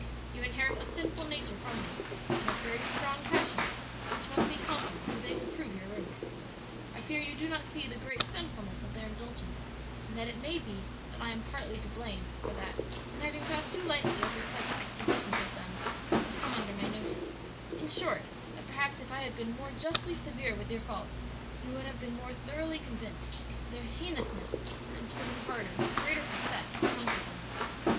You inherit a sinful nature from me, and have very strong passions which must be conquered or they will prove your ruin. I fear you do not see the great sinfulness of their indulgence, and that it may be that I am partly to blame for that in having passed too lightly over such exhibitions of them as have come under my notice: in short, that perhaps if I had been more justly severe with your faults you would have been more thoroughly convinced of their heinousness and striven harder and with greater success to conquer them.